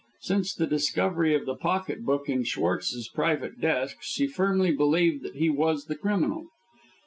Since the discovery of the pocket book in Schwartz's private desk, she firmly believed that he was the criminal.